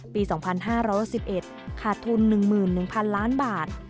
ปี๒๕๖๑ขาดทุน๑๑๐๐๐ล้านบาท